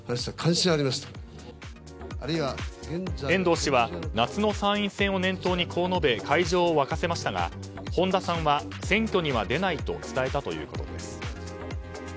遠藤氏は夏の参院選を念頭にこう述べ会場を沸かせましたが本田さんは選挙には出ないと伝えたということです。